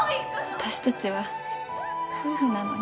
私たちは夫婦なのに。